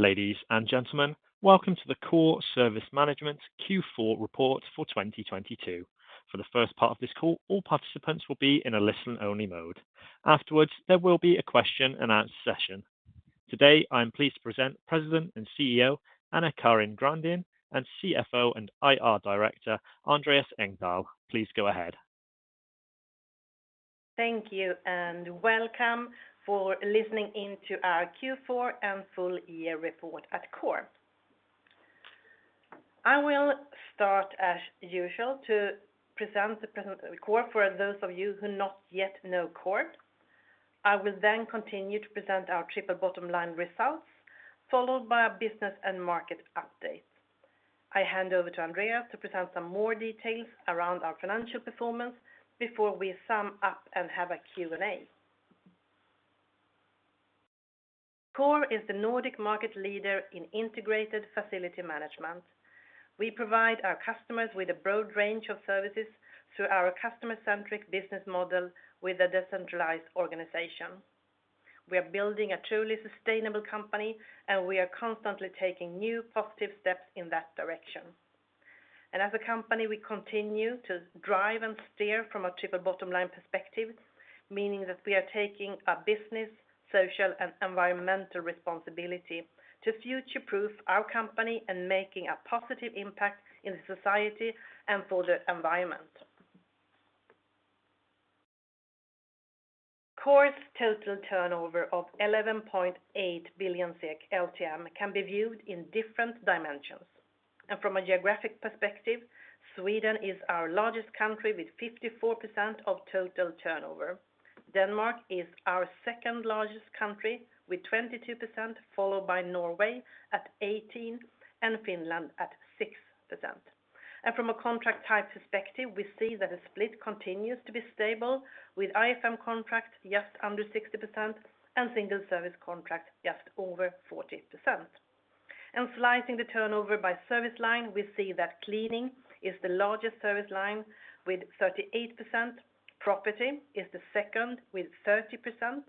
Ladies and gentlemen, welcome to the Coor Service Management Q4 Report for 2022. For the first part of this call, all participants will be in a listen only mode. Afterwards, there will be a question-and-answer session. Today, I'm pleased to present President and CEO, AnnaCarin Grandin, and CFO and IR Director, Andreas Engdahl. Please go ahead. Thank you. Welcome for listening in to our Q4 and full year report at Coor. I will start as usual to present the present Coor for those of you who not yet know Coor. I will then continue to present our triple bottom line results, followed by a business and market update. I hand over to Andreas to present some more details around our financial performance before we sum up and have a Q&A. Coor is the Nordic market leader in integrated facility management. We provide our customers with a broad range of services through our customer-centric business model with a decentralized organization. We are building a truly sustainable company. We are constantly taking new positive steps in that direction. As a company, we continue to drive and steer from a triple bottom line perspective, meaning that we are taking a business, social, and environmental responsibility to future-proof our company and making a positive impact in society and for the environment. Coor's total turnover of 11.8 billion LTM can be viewed in different dimensions. From a geographic perspective, Sweden is our largest country with 54% of total turnover. Denmark is our second-largest country with 22%, followed by Norway at 18%, and Finland at 6%. From a contract type perspective, we see that the split continues to be stable with IFM contracts just under 60% and single service contracts just over 40%. Slicing the turnover by service line, we see that cleaning is the largest service line with 38%. Property is the second with 30%.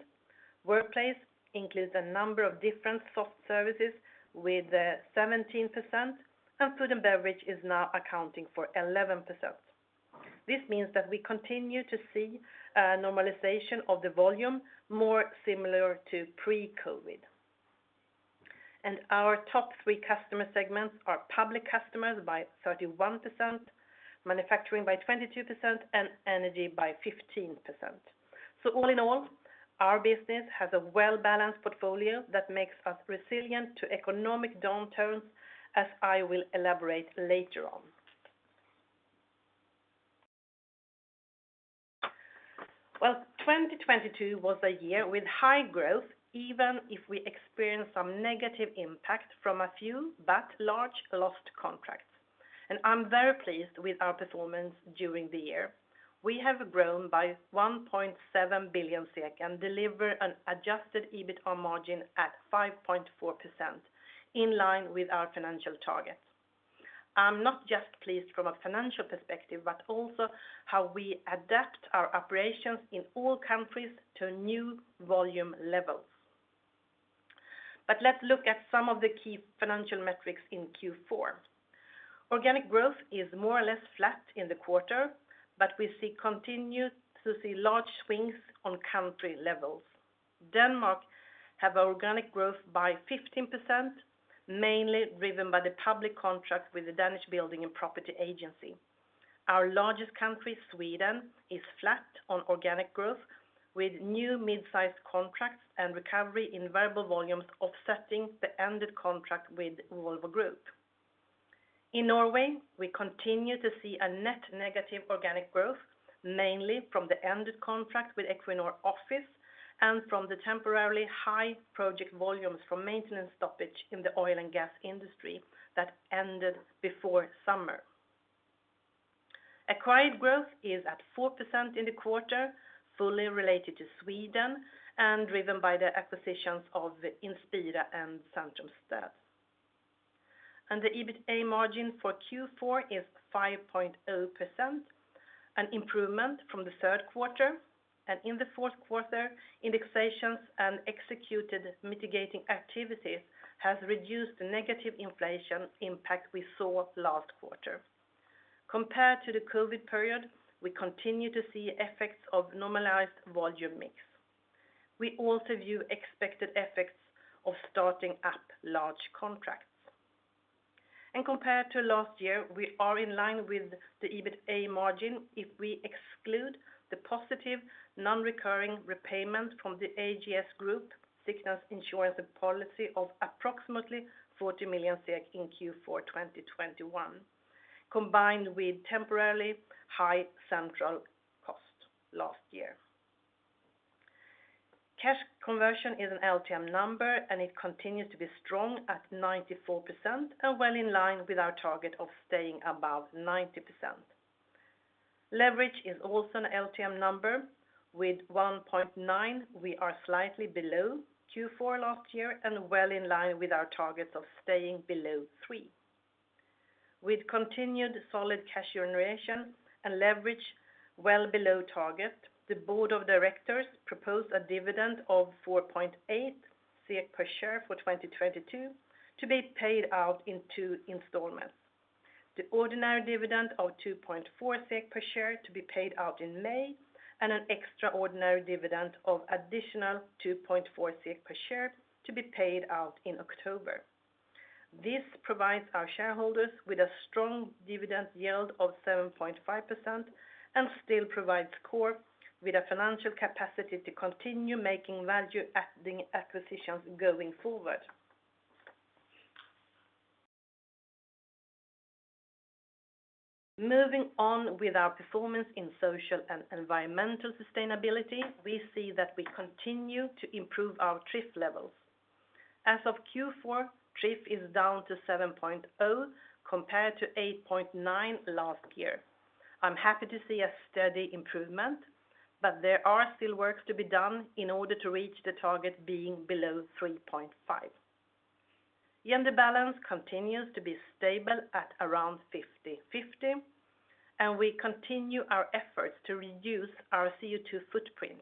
Workplace includes a number of different soft services with 17%, and food and beverage is now accounting for 11%. This means that we continue to see a normalization of the volume more similar to pre-COVID. Our top three customer segments are public customers by 31%, manufacturing by 22%, and energy by 15%. All in all, our business has a well-balanced portfolio that makes us resilient to economic downturns, as I will elaborate later on. Well, 2022 was a year with high growth, even if we experienced some negative impact from a few, but large lost contracts. I'm very pleased with our performance during the year. We have grown by 1.7 billion SEK, and deliver an Adjusted EBITDA or margin at 5.4% in line with our financial targets. I'm not just pleased from a financial perspective, but also how we adapt our operations in all countries to new volume levels. Let's look at some of the key financial metrics in Q4. Organic growth is more or less flat in the quarter, continue to see large swings on country levels. Denmark have organic growth by 15%, mainly driven by the public contract with the Danish Building and Property Agency. Our largest country, Sweden, is flat on organic growth with new mid-sized contracts and recovery in variable volumes offsetting the ended contract with Volvo Group. In Norway, we continue to see a net negative organic growth, mainly from the ended contract with Equinor Offices and from the temporarily high project volumes for maintenance stoppage in the oil and gas industry that ended before summer. Acquired growth is at 4% in the quarter, fully related to Sweden and driven by the acquisitions of Inspira and Sentrum Stad. The EBITDA margin for Q4 is 5.0%, an improvement from the third quarter. In the fourth quarter, indexations and executed mitigating activities has reduced the negative inflation impact we saw last quarter. Compared to the COVID period, we continue to see effects of normalized volume mix. We also view expected effects of starting up large contracts. Compared to last year, we are in line with the EBITDA margin if we exclude the positive non-recurring repayment from the AGS group sickness insurance policy of approximately 40 million in Q4 2021, combined with temporarily high central cost last year. Cash conversion is an LTM number. It continues to be strong at 94% and well in line with our target of staying above 90%. Leverage is also an LTM number. With 1.9, we are slightly below Q4 last year and well in line with our targets of staying below 3. With continued solid cash generation and leverage well below target, the board of directors proposed a dividend of 4.8 per share for 2022 to be paid out in two installments. The ordinary dividend of 2.4 SEK per share to be paid out in May, and an extraordinary dividend of additional 2.4 per share to be paid out in October. This provides our shareholders with a strong dividend yield of 7.5% and still provides Coor with a financial capacity to continue making value-adding acquisitions going forward. Moving on with our performance in social and environmental sustainability, we see that we continue to improve our TRIF levels. As of Q4, TRIF is down to 7.0 compared to 8.9 last year. I'm happy to see a steady improvement, but there are still works to be done in order to reach the target being below 3.5. Gender balance continues to be stable at around 50/50, and we continue our efforts to reduce our CO2 footprint.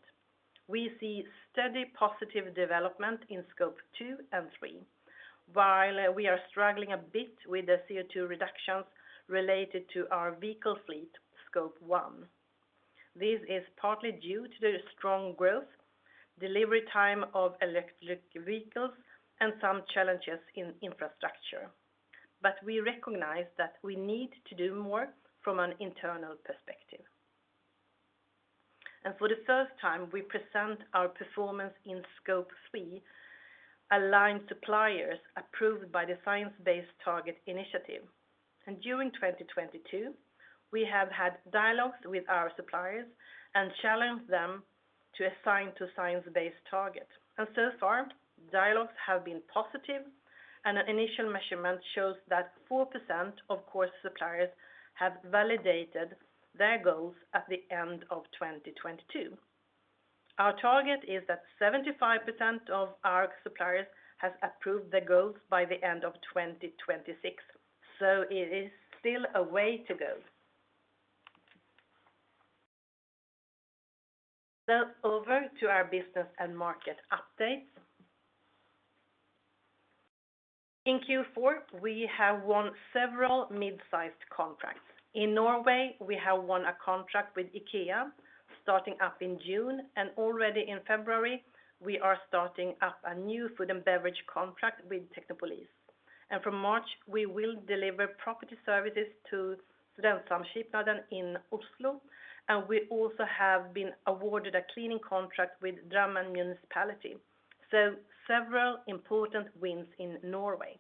We see steady positive development in Scope two and three, while we are struggling a bit with the CO2 reductions related to our vehicle fleet, Scope one. This is partly due to the strong growth, delivery time of electric vehicles, and some challenges in infrastructure. We recognize that we need to do more from an internal perspective. For the first time, we present our performance in Scope three aligned suppliers approved by the Science Based Targets initiative. During 2022, we have had dialogues with our suppliers and challenged them to assign to Science Based target. So far, dialogues have been positive, and an initial measurement shows that 4% of Coor suppliers have validated their goals at the end of 2022. Our target is that 75% of our suppliers has approved the goals by the end of 2026. It is still a way to go. Over to our business and market updates. In Q4, we have won several mid-sized contracts. In Norway, we have won a contract with IKEA starting up in June. Already in February, we are starting up a new food and beverage contract with Technopolis. From March, we will deliver property services to Studentsamskipnaden SiO in Oslo, and we also have been awarded a cleaning contract with Drammen Municipality. Several important wins in Norway.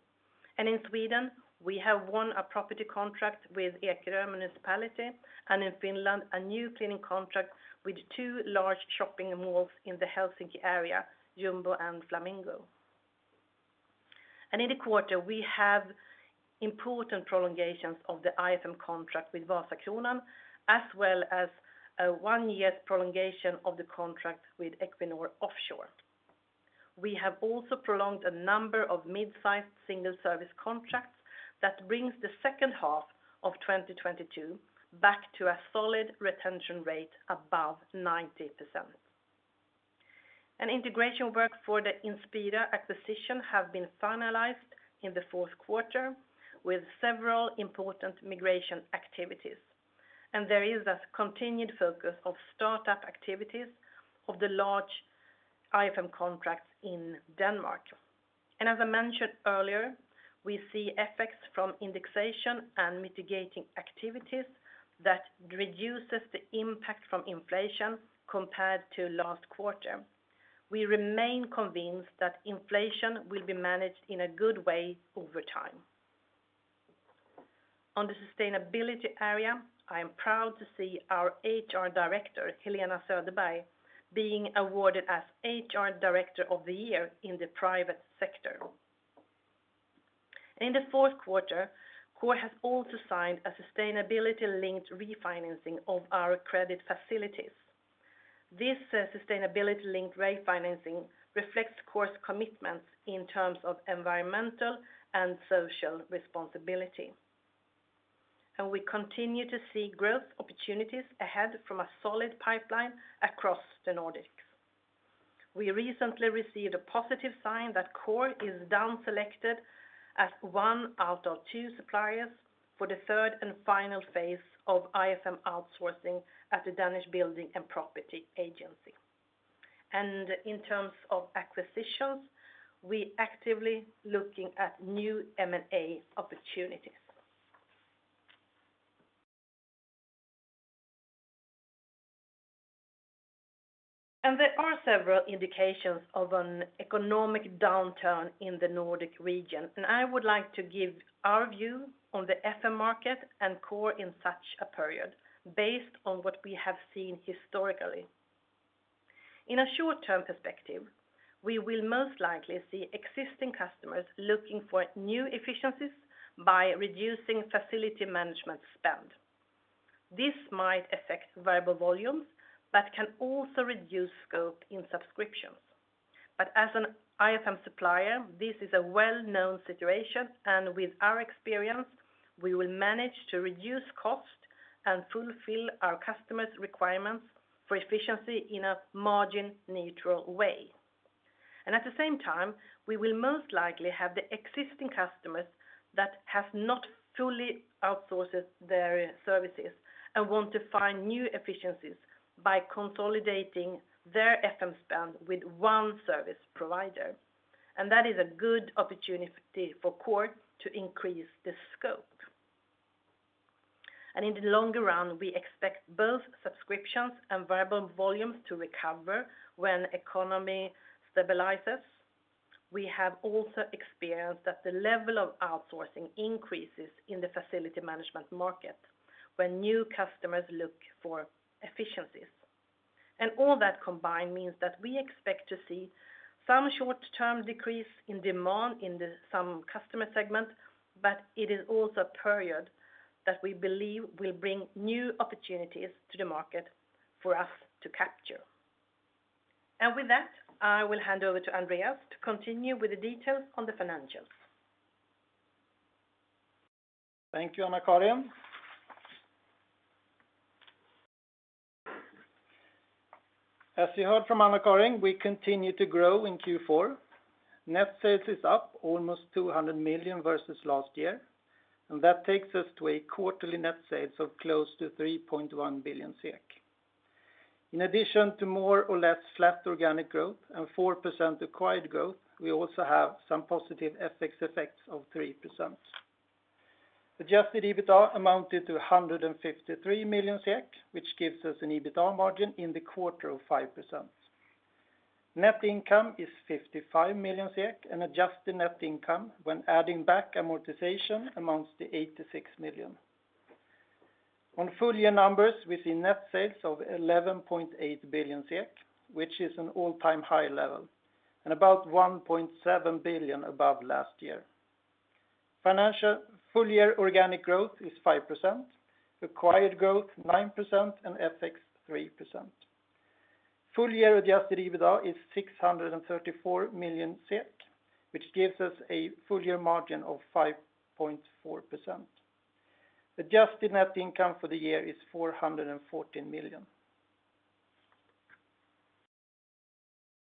In Sweden, we have won a property contract with Ekerö Municipality. In Finland, a new cleaning contract with two large shopping malls in the Helsinki area, Jumbo and Flamingo. In the quarter, we have important prolongations of the IFM contract with Vasakronan, as well as a one-year prolongation of the contract with Equinor Offshore. We have also prolonged a number of mid-sized single service contracts that brings the second half of 2022 back to a solid retention rate above 90%. An integration work for the Inspira acquisition has been finalized in the fourth quarter with several important migration activities. There is a continued focus of startup activities of the large IFM contracts in Denmark. As I mentioned earlier, we see effects from indexation and mitigating activities that reduces the impact from inflation compared to last quarter. We remain convinced that inflation will be managed in a good way over time. On the sustainability area, I am proud to see our HR Director, Helena Söderberg, being awarded as HR Director of the Year in the private sector. In the fourth quarter, Coor has also signed a sustainability-linked refinancing of our credit facilities. This sustainability-linked rate financing reflects Coor's commitments in terms of environmental and social responsibility. We continue to see growth opportunities ahead from a solid pipeline across the Nordics. We recently received a positive sign that Coor is down selected as one out of two suppliers for the third and final phase of IFM outsourcing at the Danish Building and Property Agency. In terms of acquisitions, we actively looking at new M&A opportunities. There are several indications of an economic downturn in the Nordic region. I would like to give our view on the FM market and Coor in such a period based on what we have seen historically. In a short-term perspective, we will most likely see existing customers looking for new efficiencies by reducing facility management spend. This might affect variable volumes, but can also reduce scope in subscriptions. As an IFM supplier, this is a well-known situation, and with our experience, we will manage to reduce cost and fulfill our customers' requirements for efficiency in a margin-neutral way. At the same time, we will most likely have the existing customers that have not fully outsourced their services and want to find new efficiencies by consolidating their FM spend with one service provider. That is a good opportunity for Coor to increase the scope. In the longer run, we expect both subscriptions and variable volumes to recover when economy stabilizes. We have also experienced that the level of outsourcing increases in the facility management market when new customers look for efficiencies. All that combined means that we expect to see some short-term decrease in demand in some customer segments, but it is also a period that we believe will bring new opportunities to the market for us to capture. With that, I will hand over to Andreas to continue with the details on the financials. Thank you, AnnaCarin. As you heard from AnnaCarin, we continue to grow in Q4. Net sales is up almost 200 million versus last year. That takes us to a quarterly net sales of close to 3.1 billion SEK. In addition to more or less flat organic growth and 4% acquired growth, we also have some positive FX effects of 3%. Adjusted EBITDA amounted to 153 million SEK, which gives us an EBITDA margin in the quarter of 5%. Net Income is 55 million SEK. Adjusted Net Income when adding back amortization amounts to 86 million. On full year numbers, we see net sales of 11.8 billion SEK, which is an all-time high level and about 1.7 billion above last year. Financial full year organic growth is 5%, acquired growth 9%, and FX 3%. Full year Adjusted EBITDA is 634 million SEK, which gives us a full year margin of 5.4%. Adjusted Net Income for the year is 414 million.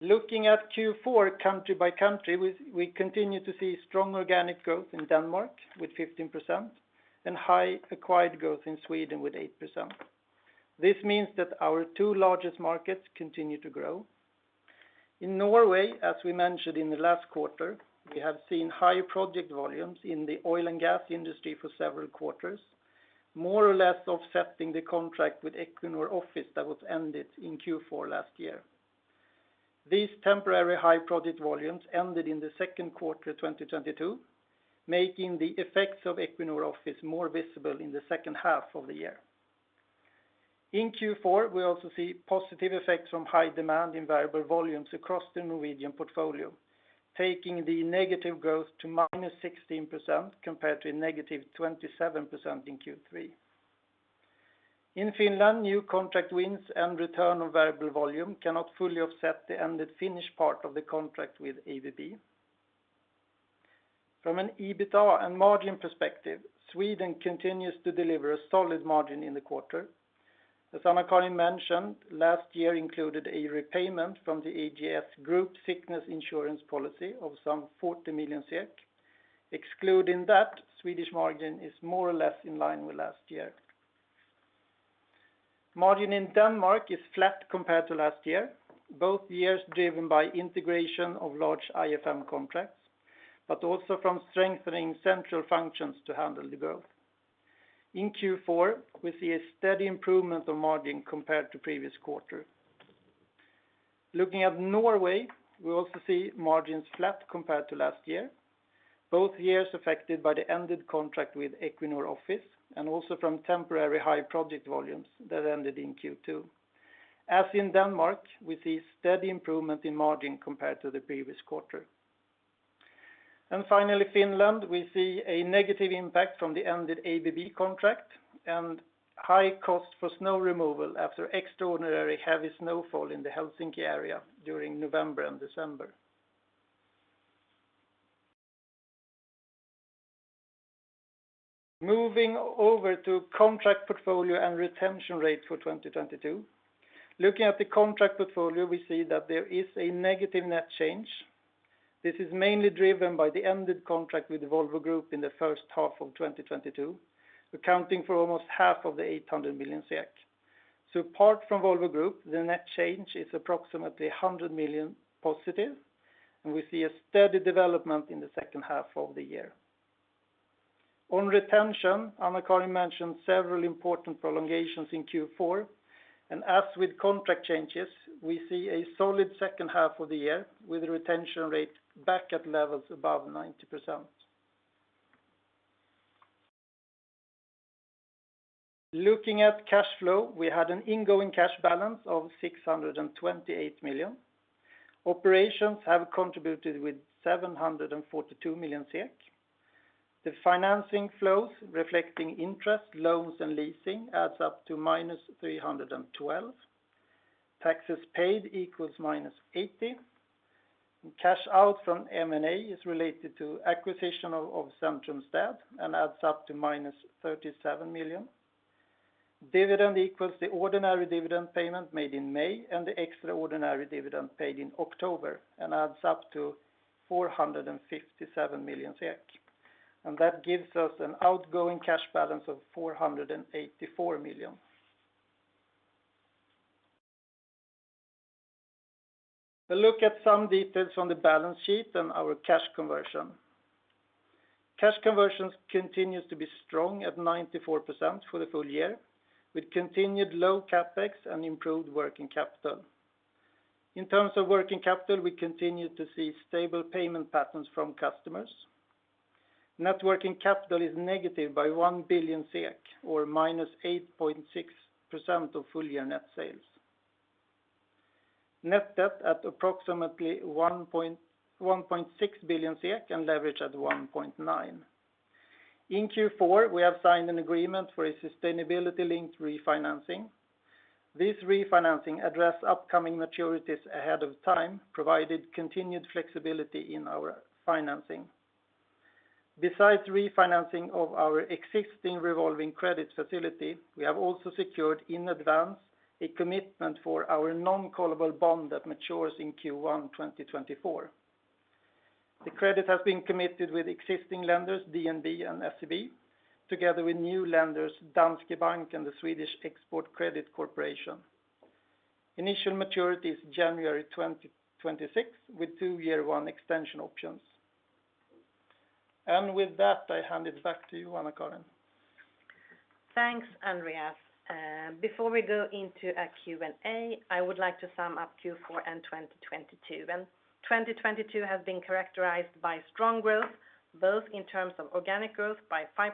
Looking at Q4 country by country, we continue to see strong organic growth in Denmark with 15% and high acquired growth in Sweden with 8%. This means that our two largest markets continue to grow. In Norway, as we mentioned in the last quarter, we have seen high project volumes in the oil and gas industry for several quarters, more or less offsetting the contract with Equinor Office that was ended in Q4 last year. These temporary high project volumes ended in the second quarter 2022, making the effects of Equinor Office more visible in the second half of the year. In Q4, we also see positive effects from high demand in variable volumes across the Norwegian portfolio, taking the negative growth to -16% compared to a negative 27% in Q3. In Finland, new contract wins and return on variable volume cannot fully offset the ended Finnish part of the contract with ABB. From an EBITDA and margin perspective, Sweden continues to deliver a solid margin in the quarter. As AnnaCarin mentioned, last year included a repayment from the AGS group sickness insurance policy of some 40 million SEK. Excluding that, Swedish margin is more or less in line with last year. Margin in Denmark is flat compared to last year, both years driven by integration of large IFM contracts, but also from strengthening central functions to handle the growth. In Q4, we see a steady improvement of margin compared to previous quarter. Looking at Norway, we also see margins flat compared to last year, both years affected by the ended contract with Equinor Office and also from temporary high project volumes that ended in Q2. As in Denmark, we see steady improvement in margin compared to the previous quarter. Finally, Finland, we see a negative impact from the ended ABB contract and high cost for snow removal after extraordinary heavy snowfall in the Helsinki area during November and December. Moving over to contract portfolio and retention rate for 2022. Looking at the contract portfolio, we see that there is a negative net change. This is mainly driven by the ended contract with the Volvo Group in the first half of 2022, accounting for almost half of the 800 million. Apart from Volvo Group, the net change is approximately 100 million positive, and we see a steady development in the second half of the year. On retention, AnnaCarin mentioned several important prolongations in Q4, and as with contract changes, we see a solid second half of the year with retention rate back at levels above 90%. Looking at cash flow, we had an ingoing cash balance of 628 million. Operations have contributed with 742 million. The financing flows reflecting interest, loans and leasing adds up to minus 312 million. Taxes paid equals minus 80 million. Cash out from M&A is related to acquisition of Sentrum's stad and adds up to minus 37 million. Dividend equals the ordinary dividend payment made in May and the extraordinary dividend paid in October and adds up to 457 million SEK. That gives us an outgoing cash balance of 484 million. A look at some details on the balance sheet and our cash conversion. Cash conversions continues to be strong at 94% for the full year, with continued low Capex and improved working capital. In terms of working capital, we continue to see stable payment patterns from customers. Net working capital is negative by 1 billion SEK or minus 8.6% of full year net sales. Net debt at approximately 1.6 billion SEK and leverage at 1.9. In Q4, we have signed an agreement for a sustainability linked refinancing. This refinancing address upcoming maturities ahead of time, provided continued flexibility in our financing. Besides refinancing of our existing revolving credit facility, we have also secured in advance a commitment for our non-callable bond that matures in Q1, 2024. The credit has been committed with existing lenders, DNB and SEB, together with new lenders, Danske Bank and the Swedish Export Credit Corporation. Initial maturity is January 2026, with two year one extension options. With that, I hand it back to you, AnnaCarin. Thanks, Andreas. Before we go into a Q&A, I would like to sum up Q4 and 2022. 2022 has been characterized by strong growth, both in terms of organic growth by 5%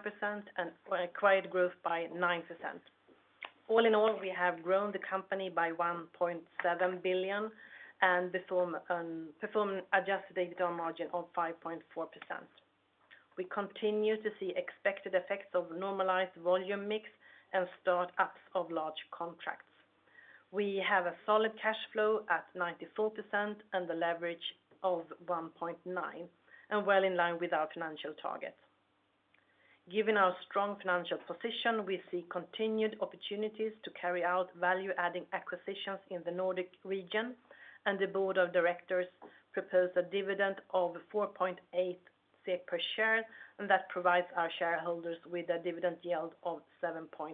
and acquired growth by 9%. All in all, we have grown the company by 1.7 billion and perform adjusted EBITDA margin of 5.4%. We continue to see expected effects of normalized volume mix and start-ups of large contracts. We have a solid cash flow at 94% and the leverage of 1.9, and well in line with our financial targets. Given our strong financial position, we see continued opportunities to carry out value-adding acquisitions in the Nordic region, and the board of directors propose a dividend of 4.8 SEK per share, and that provides our shareholders with a dividend yield of 7.5%.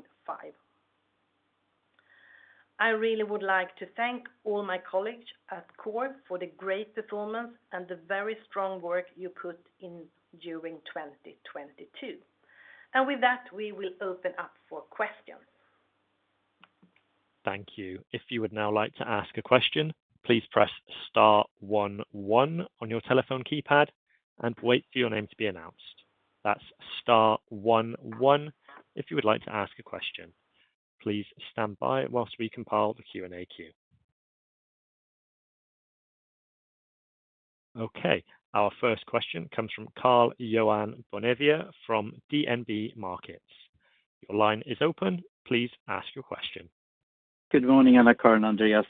I really would like to thank all my colleagues at Coor for the great performance and the very strong work you put in during 2022. With that, we will open up for questions. Thank you. If you would now like to ask a question, please press star 11 on your telephone keypad and wait for your name to be announced. That's star 11 if you would like to ask a question. Please stand by whilst we compile the Q&A queue. Okay. Our first question comes from Karl-Johan Bonnevier from DNB Markets. Your line is open. Please ask your question. Good morning, AnnaCarin and Andreas.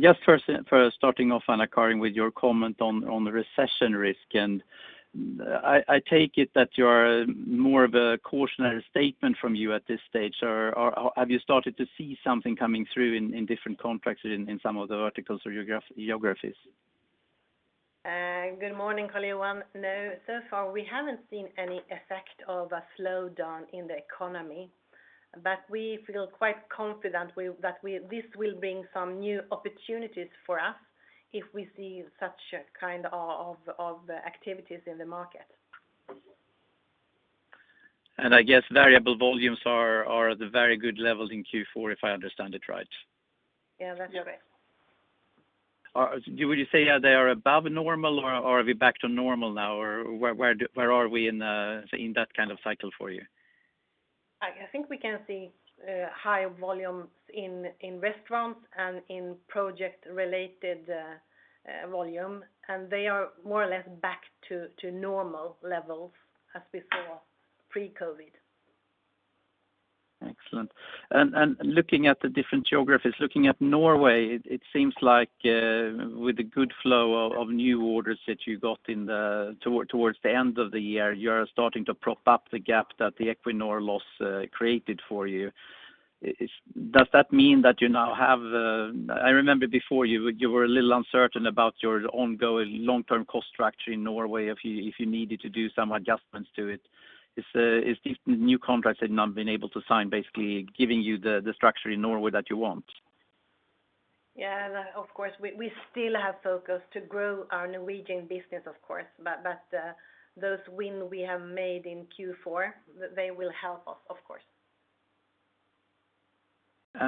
Just first, for starting off, AnnaCarin, with your comment on the recession risk. I take it that you're more of a cautionary statement from you at this stage. Have you started to see something coming through in different contracts in some of the verticals or geographies? Good morning, Karl-Johan. No, so far, we haven't seen any effect of a slowdown in the economy. We feel quite confident we, this will bring some new opportunities for us if we see such a kind of activities in the market. I guess variable volumes are at a very good level in Q4, if I understand it right. Yeah, that's correct. Would you say they are above normal or are we back to normal now? Or where are we in, say, in that kind of cycle for you? I think we can see higher volumes in restaurants and in project related volume, and they are more or less back to normal levels as before pre-COVID. Excellent. Looking at the different geographies, looking at Norway, it seems like, with the good flow of new orders that you got towards the end of the year, you are starting to prop up the gap that the Equinor loss created for you. Does that mean that you now have. I remember before you were a little uncertain about your ongoing long-term cost structure in Norway, if you needed to do some adjustments to it. Is these new contracts that you've now been able to sign basically giving you the structure in Norway that you want? Yeah, of course, we still have focus to grow our Norwegian business, of course. Those win we have made in Q4, they will help us, of course.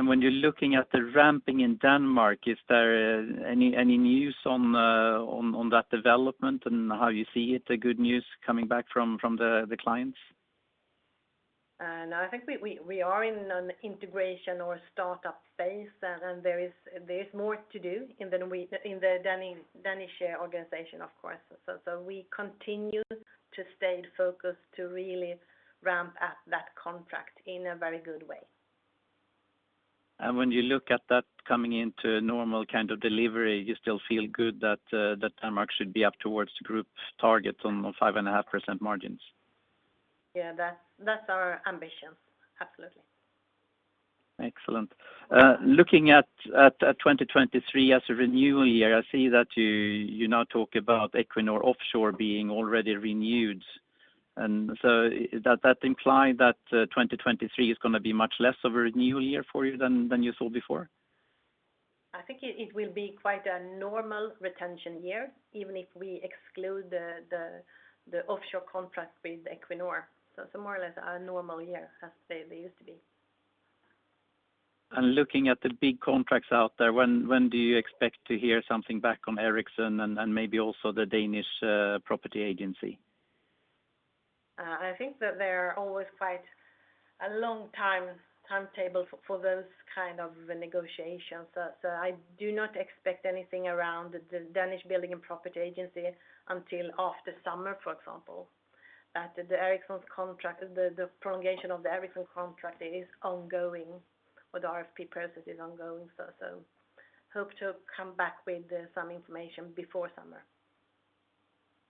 When you're looking at the ramping in Denmark, is there any news on that development and how you see it, the good news coming back from the clients? I think we are in an integration or startup phase, and there is more to do in the Danish share organization, of course. We continue to stay focused to really ramp up that contract in a very good way. When you look at that coming into normal kind of delivery, you still feel good that Denmark should be up towards group targets on 5.5% margins? Yeah. That's our ambition. Absolutely. Excellent. Looking at 2023 as a renewal year, I see that you now talk about Equinor Offshore being already renewed. Is that imply that 2023 is gonna be much less of a renewal year for you than you thought before? I think it will be quite a normal retention year, even if we exclude the offshore contract with Equinor. More or less a normal year as they used to be. Looking at the big contracts out there, when do you expect to hear something back on Ericsson and maybe also the Danish Property Agency? I think that they are always quite a long time timetable for those kind of negotiations. I do not expect anything around the Danish Building and Property Agency until after summer, for example. The Ericsson contract, the prolongation of the Ericsson contract is ongoing or the RFP process is ongoing. Hope to come back with some information before summer.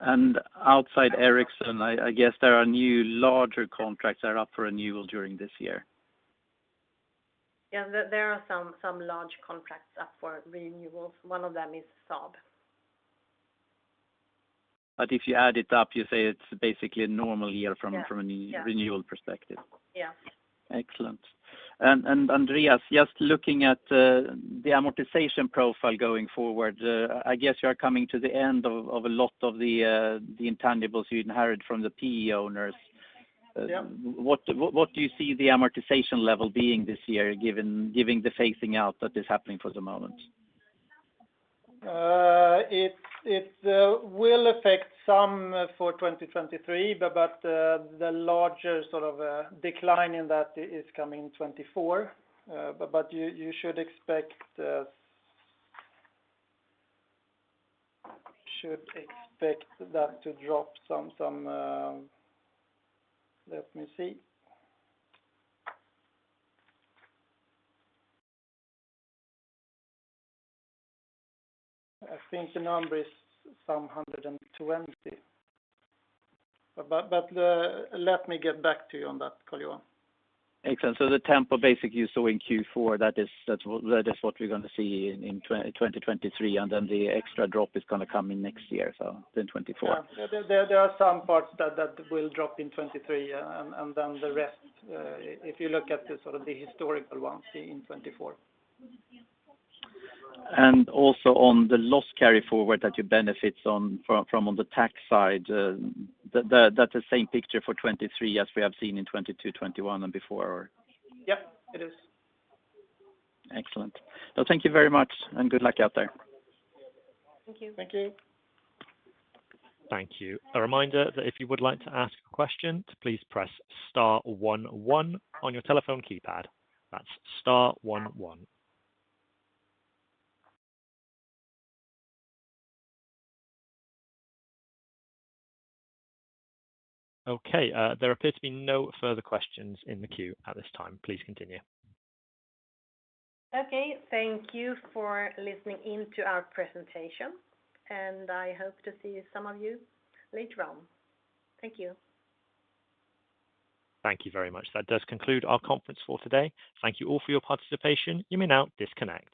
Outside Ericsson, I guess there are new larger contracts that are up for renewal during this year. Yeah. There are some large contracts up for renewals. One of them is Saab. If you add it up, you say it's basically a normal year from... Yeah. from a re-renewal perspective. Yeah. Excellent. Andreas, just looking at the amortization profile going forward, I guess you are coming to the end of a lot of the intangibles you inherited from the PE owners. Yeah. What do you see the amortization level being this year, given the phasing out that is happening for the moment? It will affect some for 2023, the larger decline in that is coming 2024. You should expect that to drop some. Let me see. I think the number is some 120. Let me get back to you on that, Karl-Johan. Excellent. The tempo basically you saw in Q4, that is, that is what we're gonna see in 2023, and then the extra drop is gonna come in next year, so in 2024. Yeah. There are some parts that will drop in 2023, and then the rest, if you look at the sort of the historical ones in 2024. also on the loss carry forward that you benefit on from on the tax side, that's the same picture for 2023 as we have seen in 2022, 2021 and before or? Yep. It is. Excellent. Well, thank you very much and good luck out there. Thank you. Thank you. Thank you. A reminder that if you would like to ask a question, to please press star 11 on your telephone keypad. That's star 11. Okay. There appear to be no further questions in the queue at this time. Please continue. Okay. Thank you for listening in to our presentation. I hope to see some of you later on. Thank you. Thank you very much. That does conclude our conference for today. Thank you all for your participation. You may now disconnect.